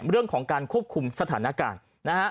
เรื่องของการควบคุมสถานการณ์นะฮะ